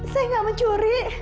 saya gak mencuri